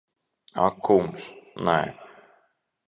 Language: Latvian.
Ak kungs, nē.